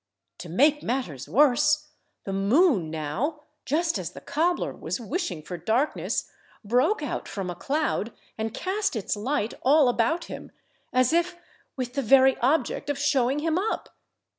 To make matters worse, the moon now, just as the cobbler was wishing for darkness, broke out from a cloud, and cast its light all about him, as if with the very object of showing him up.